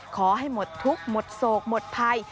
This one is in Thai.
ขอให้หมดทุกข์หมดโศกหมดภัย